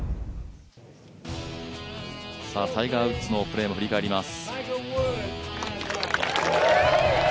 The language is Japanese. タイガー・ウッズのプレーも振り返ります。